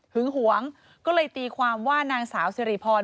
หวงก็เลยตีความว่านางสาวสิริพร